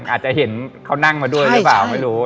อาจจะเห็นเขานั่งมาด้วยหรือเปล่าไม่รู้